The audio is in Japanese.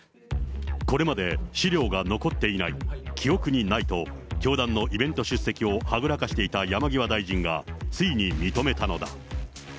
これまで資料が残っていない、記憶にないと、教団のイベント出席をはぐらかしていた山際大臣がついに認めたのだ。